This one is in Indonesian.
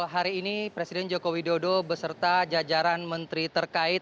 hari ini presiden joko widodo beserta jajaran menteri terkait